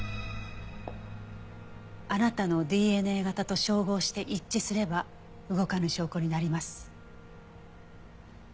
あなたのＤＮＡ型と照合して一致すれば動かぬ証拠になります。